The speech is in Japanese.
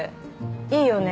いいよね？